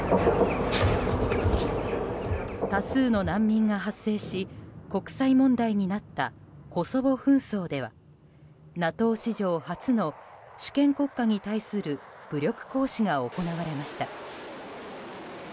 多数の難民が発生し国際問題になったコソボ紛争ではＮＡＴＯ史上初の主権国家に対する武力行使が行われました。